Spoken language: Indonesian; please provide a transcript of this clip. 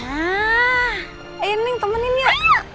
eh ini temenin ya